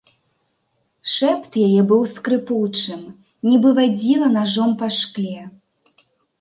Шэпт яе быў скрыпучым, нібы вадзіла нажом па шкле.